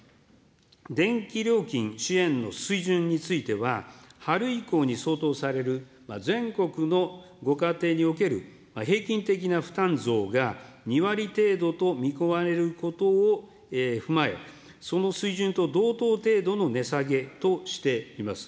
電気料金支援の水準については、春以降に相当される全国のご家庭における平均的な負担増が２割程度と見込まれることを踏まえ、その水準と同等程度の値下げとしています。